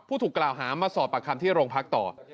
ถูกกล่าวหามาสอบปากคำที่โรงพักต่อ